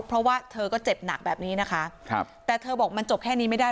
เพราะว่าเธอก็เจ็บหนักแบบนี้นะคะครับแต่เธอบอกมันจบแค่นี้ไม่ได้